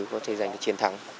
có thể giành chiến thắng